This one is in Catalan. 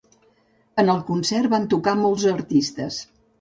En el concert van tocar molts artistes.